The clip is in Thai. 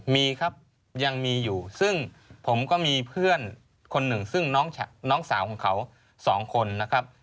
มีครับยังมีอยู่ซึ่งผมก็มีเพื่อนคนหนึ่งซึ่งน้องสาวของเขาสองคนนะครับ